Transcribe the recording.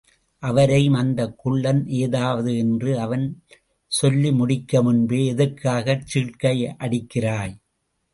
அவரையும் அந்தக் குள்ளன் ஏதாவது... என்று அவன் சொல்லி முடிக்கு முன்பே, எதற்காகச் சீழ்க்கையடிக்கிறாய்?